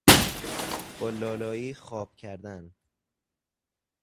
با لالایی خواب کردن